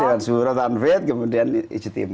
dewan surong tan ved kemudian ijtm